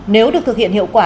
nếu được thực hiện hiệu quả